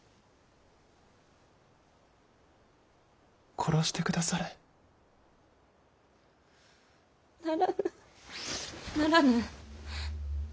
殺して下され。ならぬ。